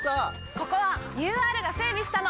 ここはＵＲが整備したの！